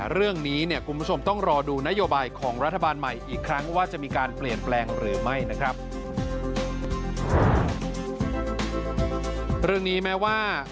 เรื่องนี้แม้ว่า